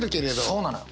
そうなのよ。